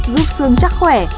giúp xương chắc khỏe